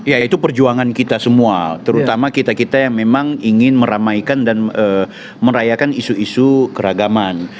ya itu perjuangan kita semua terutama kita kita yang memang ingin meramaikan dan merayakan isu isu keragaman